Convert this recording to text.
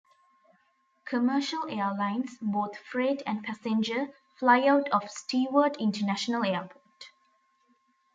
Commercial airlines, both freight and passenger, fly out of Stewart International Airport.